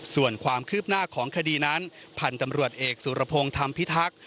ส่วนความคืบหน้าของคดีนั้นพันธุ์ตำรวจเอกสุรพงศ์ธรรมพิทักษ์